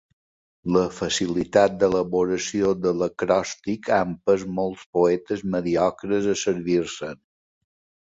La facilitat d'elaboració de l'acròstic ha empès molts poetes mediocres a servir-se'n.